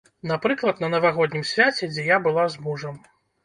Напрыклад, на навагоднім свяце, дзе я была з мужам.